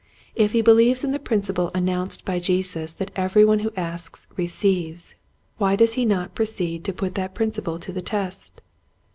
If he believes in the principle an nounced by Jesus that every one who asks receives why does he not proceed to put that principle to the test.